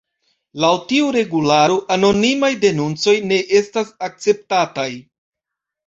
Laŭ tiu regularo, anonimaj denuncoj ne estas akceptataj.